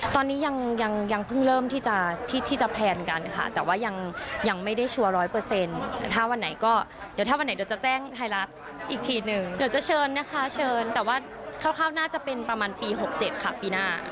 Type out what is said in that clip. ตอนนี้ยังยังเพิ่งเริ่มที่จะแพลนกันค่ะแต่ว่ายังไม่ได้ชัวร์ร้อยเปอร์เซ็นต์แต่ถ้าวันไหนก็เดี๋ยวถ้าวันไหนเดี๋ยวจะแจ้งไทยรัฐอีกทีหนึ่งเดี๋ยวจะเชิญนะคะเชิญแต่ว่าคร่าวน่าจะเป็นประมาณปี๖๗ค่ะปีหน้า